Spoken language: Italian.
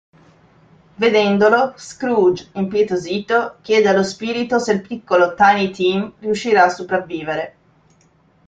Vedendolo Scrooge, impietosito, chiede allo spirito se il piccolo Tiny Tim riuscirà a sopravvivere.